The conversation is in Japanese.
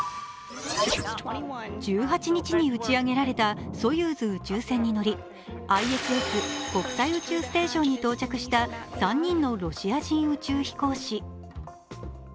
１８日に打ち上げられたソユーズ宇宙船に乗りＩＳＳ＝国際宇宙ステーションに到着した３人のロシア人宇宙飛行士。